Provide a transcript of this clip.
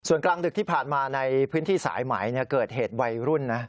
ส่วนกลางดึกที่ผ่านมาในพื้นที่สายไหมเกิดเหตุวัยรุ่นนะ